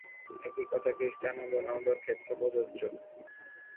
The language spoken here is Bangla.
একই কথা ক্রিস্টিয়ানো রোনালদোর ক্ষেত্রেও প্রযোজ্য।